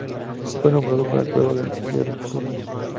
Fue nombrado para el Juego de las Estrellas del Futuro.